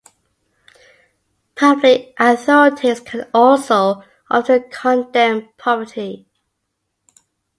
Public authorities can also often condemn property.